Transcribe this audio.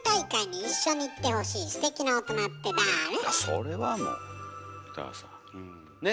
それはもう北川さん。ね？